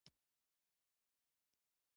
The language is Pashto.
کندهار د افغانانو د فرهنګي پیژندنې برخه ده.